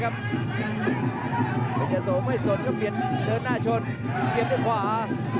เพชรเจ้าโสไม่สนก็เปลี่ยนเดินหน้าชนเสียบด้วยขวา